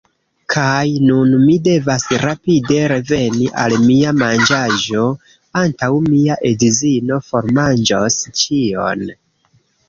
Kaj nun mi devas rapide reveni al mia manĝaĵo, antaŭ mia edzino formanĝos ĉion.